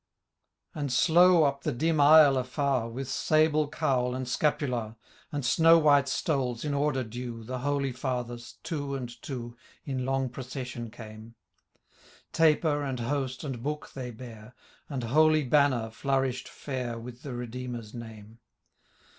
And slow up the dim aisle aiar. With sable cowl and scapular. And snow white stoles, in order due. The holy Fathers, two and two. In long procession came ; Taper, and host, and book they bare, And holy banner, flourish'd fair With the Redeemer's name.